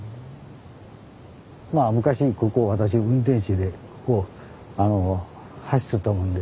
まあ昔ここを私運転士でここを走っとったもんで。